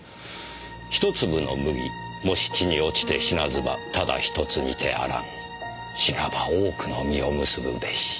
「一粒の麦もし地に落ちて死なずばただ一つにてあらん死なば多くの実を結ぶべし」。